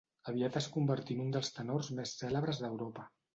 Aviat es convertí en un dels tenors més cèlebres d'Europa.